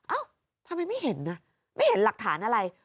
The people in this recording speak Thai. เอ้าทำไมไม่เห็นนะไม่เห็นหลักฐานอะไร